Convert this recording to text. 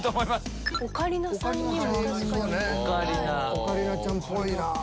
オカリナちゃんっぽいな。